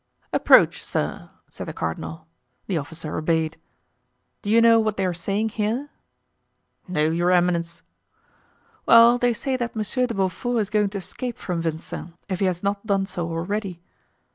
"Approach, sir," said the cardinal. The officer obeyed. "Do you know what they are saying here?" "No, your eminence." "Well, they say that Monsieur de Beaufort is going to escape from Vincennes, if he has not done so already."